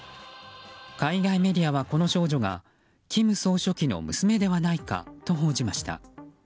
海外メディアはこの少女が金総書記の娘ではないかと報じました。